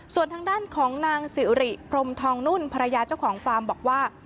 ส่วนทางด้านของนางสิริพรมทองนุ่นภรรยาเจ้าของฟาร์มบอกว่า